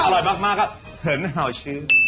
อร่อยมากก็เหินเห่าชื้น